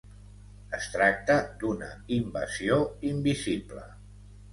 Es tracta d'una invasió invisible.